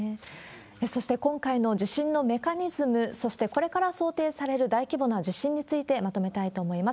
そして今回の地震のメカニズム、そしてこれから想定される大規模な地震についてまとめたいと思います。